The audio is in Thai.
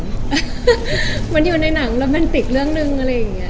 รู้สึกเหมือนอยู่ในหนังมันน่าเลเมนติกเรื่องหนึ่งอะไรอย่างนี้